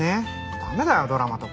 駄目だよドラマとか。